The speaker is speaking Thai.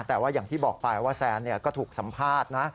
แต่ว่าอย่างที่บอกไปว่าแซนก็ถูกสัมภาษณ์นะ